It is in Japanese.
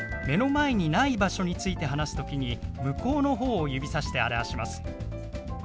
目の前にない場所について話す時に向こうの方を指さして表します。